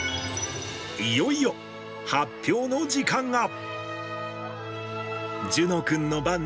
いよいよ発表の時間が。